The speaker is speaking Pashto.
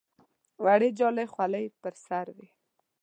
وړې جالۍ خولۍ یې پر سر وې.